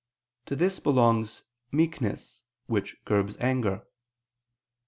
To this belongs meekness, which curbs anger.